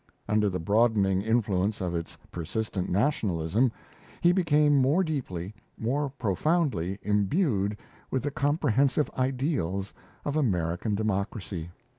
Under the broadening influence of its persistent nationalism, he became more deeply, more profoundly, imbued with the comprehensive ideals of American democracy.